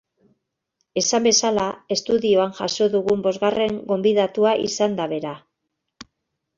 Esan bezala, estudioan jaso dugun bosgarren gonbidatua izan da bera.